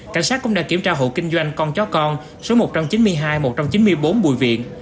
cảnh sát cũng đã kiểm tra hộ kinh doanh con chó con số một trăm chín mươi hai một trăm chín mươi bốn bùi viện